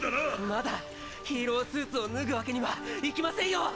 まだヒーロースーツを脱ぐわけにはいきませんよ！